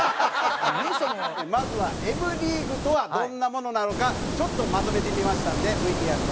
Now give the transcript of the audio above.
まずはＭリーグとはどんなものなのかちょっとまとめてみましたんでＶＴＲご覧ください。